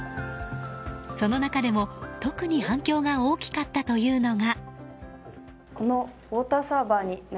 その中でも、特に反響が大きかったというのが。